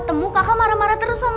tapi aku mah kuat udah